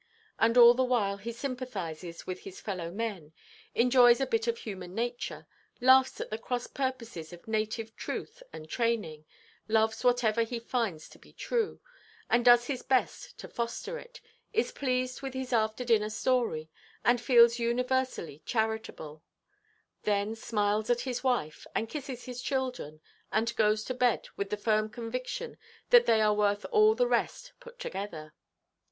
And all the while he sympathises with his fellow–men, enjoys a bit of human nature, laughs at the cross–purposes of native truth and training, loves whatever he finds to be true, and does his best to foster it, is pleased with his after–dinner story, and feels universally charitable; then smiles at his wife, and kisses his children; and goes to bed with the firm conviction that they are worth all the rest put together.